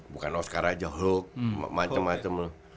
bukan oscar aja hulk macem macem